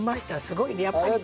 すごいねやっぱり。